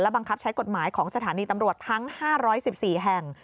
บังคับใช้กฎหมายของสถานีตำรวจทั้ง๕๑๔แห่ง